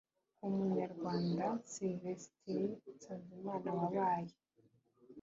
umunyarwanda, silivesitiri nsanzimana, wabaye